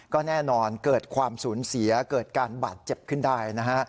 ก็แน่นอนเกิดความสูญเสียเกิดการบาดเจ็บขึ้นได้นะฮะ